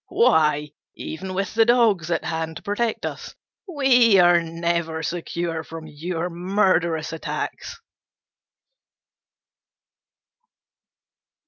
Why, even with the dogs at hand to protect us, we are never secure from your murderous attacks!"